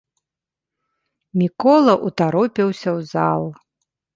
Мікола ўтаропіўся ў зал.